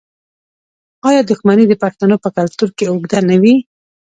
آیا دښمني د پښتنو په کلتور کې اوږده نه وي؟